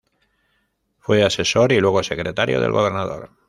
Fue asesor y luego secretario del gobernador.